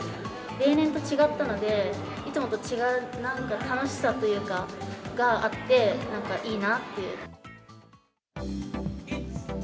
例年と違ったので、いつもと違うなんか楽しさというかがあって、なんかいいなって。